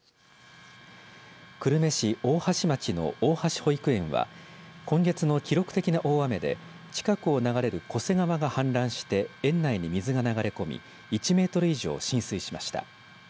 久留米市大橋町の大橋保育園は今月の記録的な大雨で近くを流れる巨瀬川が氾濫して園内に水が流れ込み１メートル以上浸水しました。